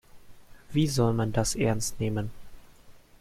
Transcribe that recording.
Wie soll man das ernst nehmen?